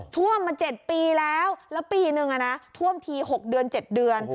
ท่วมมา๗ปีแล้วแล้วปีนึงท่วมที๖เดือน๗เดือน